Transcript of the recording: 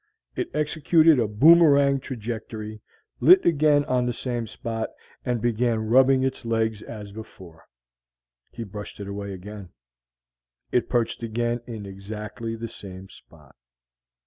It executed a boomerang trajectory, lit again on the same spot, and began rubbing its legs as before. He brushed it away again. It perched again in exactly the same spot.